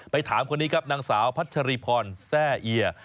ถามคนนี้ครับนางสาวพัชรีพรแซ่เอีย